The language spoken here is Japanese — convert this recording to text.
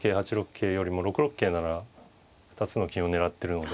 桂よりも６六桂なら２つの金を狙ってるので。